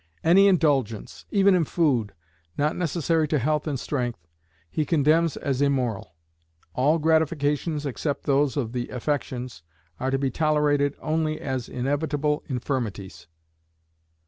Any indulgence, even in food, not necessary to health and strength, he condemns as immoral. All gratifications except those of the affections, are to be tolerated only as "inevitable infirmities."